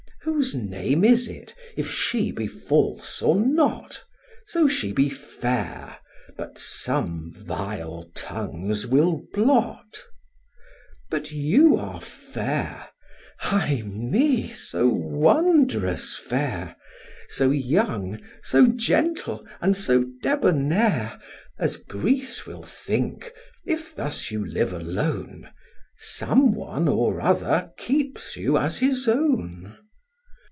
Whose name is it, if she be false or not, So she be fair, but some vile tongues will blot? But you are fair, ay me! so wondrous fair, So young, so gentle, and so debonair, As Greece will think, if thus you live alone, Some one or other keeps you as his own.